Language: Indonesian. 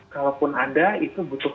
kalaupun ada itu butuh